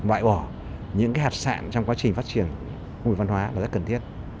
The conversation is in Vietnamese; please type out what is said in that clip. đoại bỏ những hạt sạn trong quá trình phát triển công nghiệp văn hóa là rất cần thiết